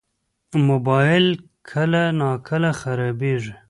موبایل کله ناکله خرابېږي.